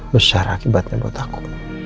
besar akibatnya buat aku